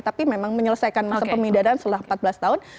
tapi memang menyelesaikan masa pemindahan setelah empat belas tahun